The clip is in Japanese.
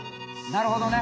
なるほどね！